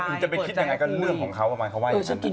คือจะไปคิดยังไงก็เรื่องของเขาประมาณเขาว่าอย่างนั้น